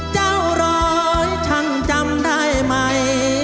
ร้อยช่างจำได้ไหม